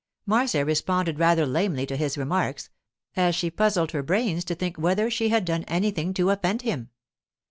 Marcia responded rather lamely to his remarks, as she puzzled her brains to think whether she had done anything to offend him.